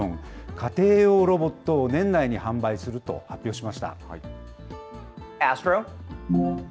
家庭用ロボットを年内に販売すると発表しました。